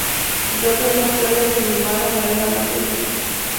Se trata de una playa semi-urbana de arena blanca y fina.